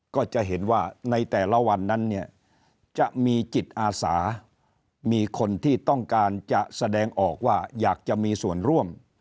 ก็จะเห็นว่าในแต่ละวันนั้นเนี่ยจะมีจิตอาสามีคนที่ต้องการจะแสดงออกว่าอยากจะมีส่วนร่วม